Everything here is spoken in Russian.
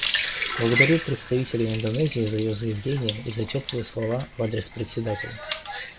Благодарю представителя Индонезии за ее заявление и за теплые слова в адрес Председателя.